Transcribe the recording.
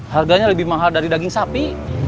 harganya lebih mahal dari daging sapi